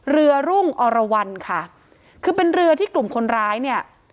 เรือรุ่งอรวรรณค่ะคือเป็นเรือที่กลุ่มคนร้ายเนี่ย